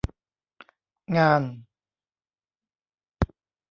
งาน